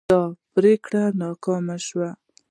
دا پریکړه ناکامه شوه.